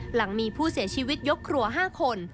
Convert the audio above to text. หลังมีผู้เสียชีวิตยกครัว๕คน